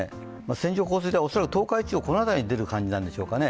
線状降水帯、恐らく東海地方、この辺りに出る感じですかね。